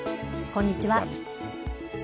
こんにちは。